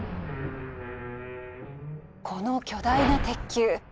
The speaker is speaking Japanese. この巨大な鉄球。